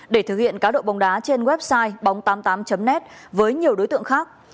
để thực hiện cá độ bóng đá trên website bóng tám mươi tám net với nhiều đối tượng khác